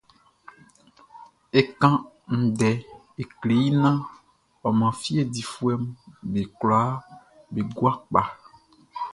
É kán ndɛ é klé i naan ɔ man fie difuɛʼm be kwlaa be gua kpa.